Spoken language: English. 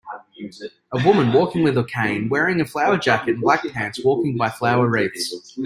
A woman walking with a cane wearing a flower jacket and black pants walking by flower wreaths.